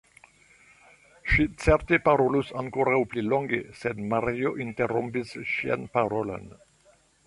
Ŝi certe parolus ankoraŭ pli longe, sed Mario interrompis ŝian parolon.